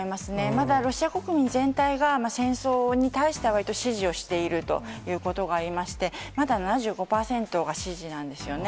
まだロシア国民全体が戦争に対しては、わりと支持をしているということがありまして、まだ７５％が支持なんですよね。